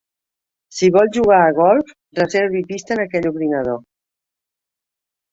Si vol jugar a golf, reservi pista en aquell ordinador.